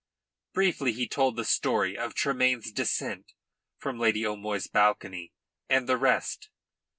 Briefly he told the story of Tremayne's descent from Lady O'Moy's balcony and the rest.